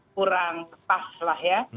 kurang pah lah ya